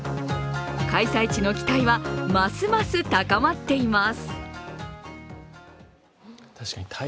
開催地の期待はますます高まっています。